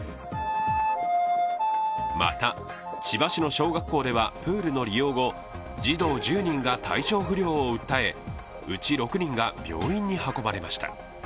また、千葉市の小学校ではプールの利用後、児童１０人が体調不良を訴え、うち６人が病院に運ばれました。